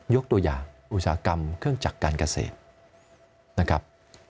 ยกตัวอย่างอุตสาหกรรมเครื่องจักรการเกษตรนะครับ